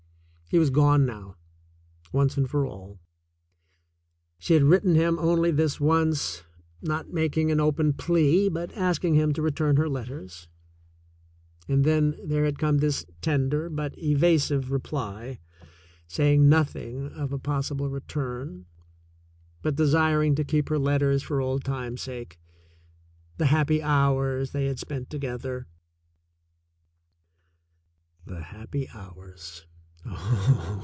He was gone now, once and for all. She had written him only once, not making an open plea but asking him to re turn her letters, and then there had come this tender but evasive reply, saying nothing of a possible return but desiring to keep her letters for old times' sake — the happy hours they had spent together. The happy hours!